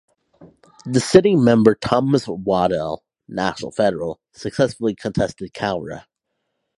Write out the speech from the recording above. The sitting member Thomas Waddell (National Federal) successfully contested Cowra.